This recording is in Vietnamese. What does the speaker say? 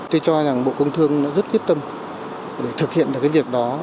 tôi cho rằng bộ công thương đã rất quyết tâm để thực hiện được cái việc đó